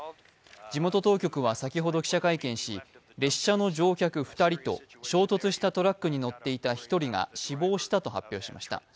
地元当局は先ほど記者会見し、列車の乗客２人と衝突したトラックに乗っていた１人が死亡したと発表しました。